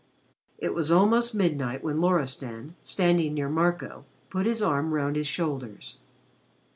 It was almost midnight when Loristan, standing near Marco, put his arm round his shoulders.